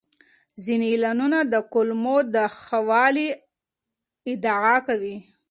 ځینې اعلانونه د کولمو د ښه والي ادعا کوي.